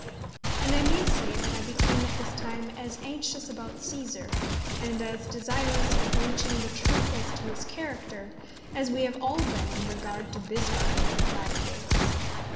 And I may say that I became at this time as anxious about Cæsar, and as desirous of reaching the truth as to his character, as we have all been in regard to Bismarck in these latter days.